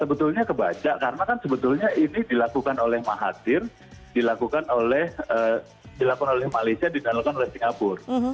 sebetulnya kebaca karena kan sebetulnya ini dilakukan oleh mahathir dilakukan oleh dilakukan oleh malaysia dan dilakukan oleh singapura